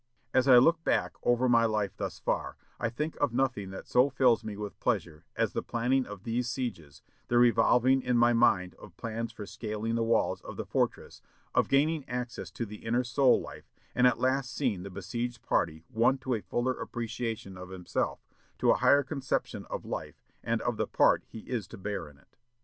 "As I look back over my life thus far, I think of nothing that so fills me with pleasure as the planning of these sieges, the revolving in my mind of plans for scaling the walls of the fortress; of gaining access to the inner soul life, and at last seeing the besieged party won to a fuller appreciation of himself, to a higher conception of life and of the part he is to bear in it.